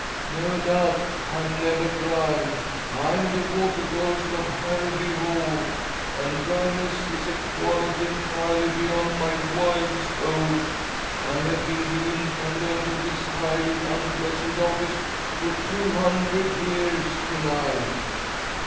"No doubt. I'm never dry. I am the Water Ghost of Harrowby Hall, and dryness is a quality entirely beyond my wildest hope. I have been the incumbent of this highly unpleasant office for two hundred years to night."